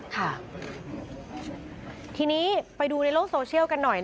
ค่ะทีนี้ไปดูในโลกโซเชียลกันหน่อย